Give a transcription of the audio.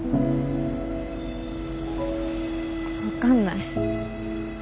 分かんない。